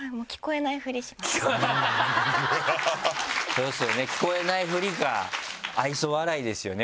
そうですよね聞こえないフリか愛想笑いですよね